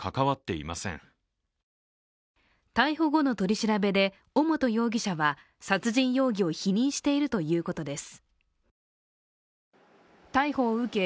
逮捕後の取り調べで尾本容疑者は殺人容疑を否認しているということです。